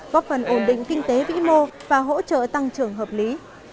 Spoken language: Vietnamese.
góp phần ổn định kinh tế vĩ mô và hỗ trợ tăng trưởng hợp lý